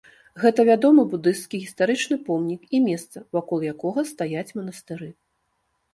Гэта вядомы будысцкі гістарычны помнік і месца, вакол якога стаяць манастыры.